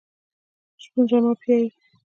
شپون رمه پيایي.